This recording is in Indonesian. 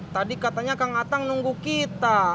tadi katanya kang atang nunggu kita